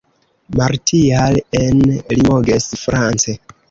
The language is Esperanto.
Martial en Limoges, France.